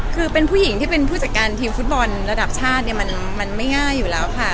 คือเป็นผู้หญิงที่เป็นผู้จัดการทีมฟุตบอลระดับชาติเนี่ยมันไม่ง่ายอยู่แล้วค่ะ